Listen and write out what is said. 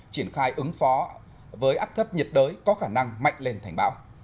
triển khai ứng phó với áp thấp nhiệt đới có khả năng mạnh lên thành bão